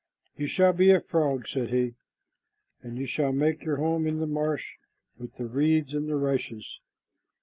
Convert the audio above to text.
"You shall be a frog," said he, "and you shall make your home in the marsh with the reeds and the rushes.